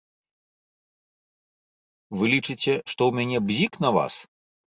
Вы лічыце, што ў мяне бзік на вас?